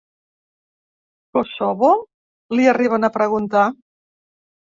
Kosovo?, li arriben a preguntar.